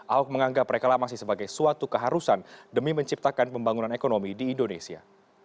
ahok menganggap reklamasi sebagai suatu keharusan demi menciptakan pembangunan ekonomi di indonesia